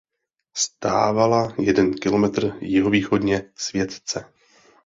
Stávala jeden kilometr jihovýchodně Světce.